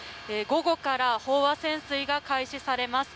午後から飽和潜水が開始されます。